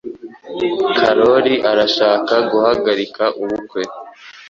Kalori arashaka guhagarika ubukwe.